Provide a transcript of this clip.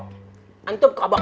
irman antum juga kobok